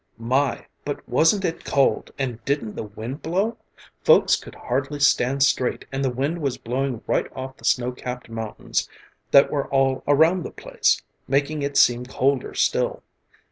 My! but wasn't it cold, and didn't the wind blow? Folks could hardly stand straight and the wind was blowing right off the snow capped mountains that were all around the place, making it seem colder still.